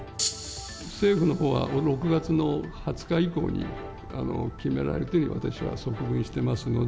政府のほうは６月の２０日以降に決められるというように私は側聞してますので。